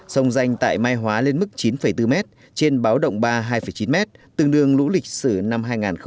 sông danh tại mai hóa lên mức chín bốn m trên báo động ba hai chín m tương đương lũ lịch sử năm hai nghìn một mươi